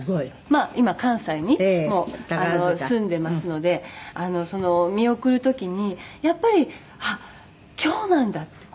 「まあ今関西に住んでいますので見送る時にやっぱりあっ今日なんだって」